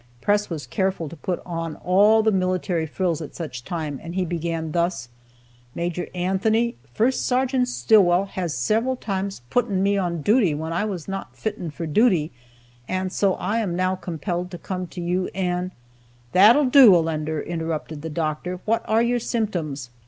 Press was careful to put on all the military frills at such a time, and he began thus: "Major Anthony, First Sergeant Stillwell has several times putten me on duty when I was not fitten for duty, and so I am now compelled to come to you, and " "That'll do, Allender," interrupted the doctor, "what are your symptoms?"